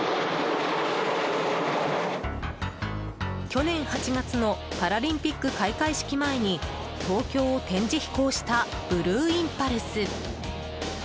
去年８月のパラリンピック開会式前に東京を展示飛行したブルーインパルス。